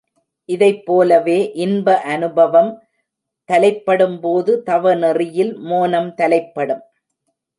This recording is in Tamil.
இதைப் போலவே, இன்ப அநுபவம் தலைப்படும்போது தவ நெறியில் மோனம் தலைப்படும்.